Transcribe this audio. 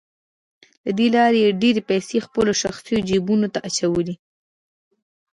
له دې لارې یې ډېرې پیسې خپلو شخصي جیبونو ته اچولې